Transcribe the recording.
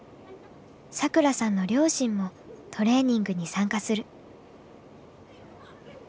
サクラさんの両親もトレーニングに参加する。